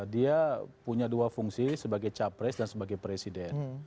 dia punya dua fungsi sebagai capres dan sebagai presiden